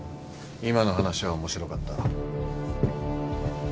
今の話は面白かった。